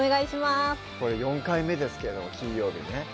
これ４回目ですけど金曜日ね